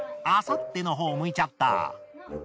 あさってのほうを向いちゃった。